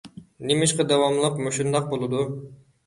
نېمىشقا داۋاملىق مۇشۇنداق بولىدۇ؟